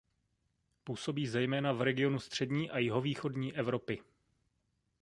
Působí zejména v regionu střední a jihovýchodní Evropy.